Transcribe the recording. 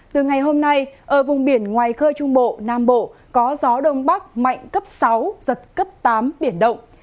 từ ngày hôm nay ở vùng biển ngoài khơi trung bộ nam bộ có gió đông bắc mạnh cấp sáu giật cấp tám biển động